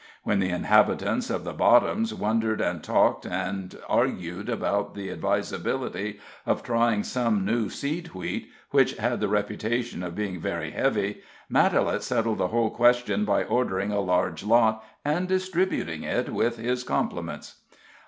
When the inhabitants of the Bottoms wondered and talked and argued about the advisability of trying some new seed wheat, which had the reputation of being very heavy, Matalette settled the whole question by ordering a large lot, and distributing it with his compliments.